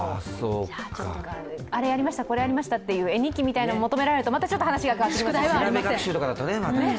あれやりました、これやりましたと絵日記みたいなのを求められるとまたちょっと話が変わってきますからね。